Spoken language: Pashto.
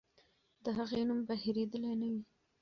د هغې نوم به هېرېدلی نه وي.